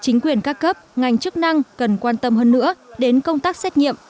chính quyền các cấp ngành chức năng cần quan tâm hơn nữa đến công tác xét nghiệm